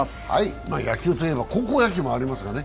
野球といえば高校野球もありますよね。